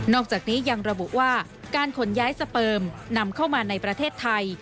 อกจากนี้ยังระบุว่าการขนย้ายสเปิมนำเข้ามาในประเทศไทย